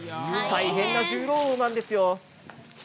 大変な重労働なんですよ。